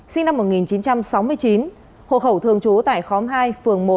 sinh năm một nghìn chín trăm sáu mươi chín hộ khẩu thường trú tại khóm hai phường một